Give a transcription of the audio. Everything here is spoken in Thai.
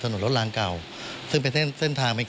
หรือว่าอะไรก็ตาม